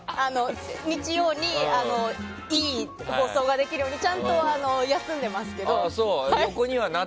日曜にいい放送ができるようにちゃんと休んでますけど。